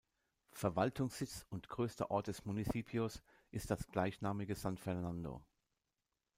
Verwaltungssitz und größter Ort des Municipios ist das gleichnamige San Fernando.